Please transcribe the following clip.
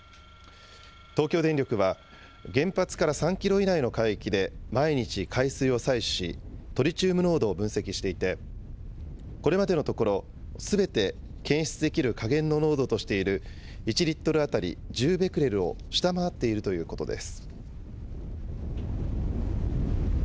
東京電力は、原発から３キロ以内の海域で毎日海水を採取し、トリチウム濃度を分析していて、これまでのところすべて検出できる下限の濃度としている１リットル当たり１０ベクレルを下回っているということです。